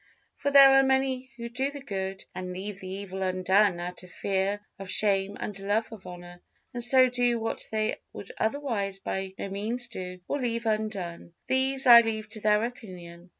For there are many who do the good and leave the evil undone out of fear of shame and love of honor, and so do what they would otherwise by no means do or leave undone. These I leave to their opinion.